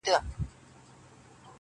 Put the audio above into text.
د طاووس تر رنګینیو مي خوښيږي-